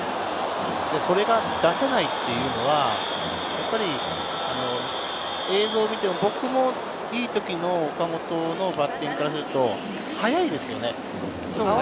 それが出せないっていうのは、やっぱり映像を見ても僕もいい時の岡本のバッティングからすると早いですよね。